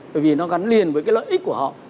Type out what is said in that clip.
bởi vì nó gắn liền với cái lợi ích của họ